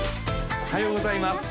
おはようございます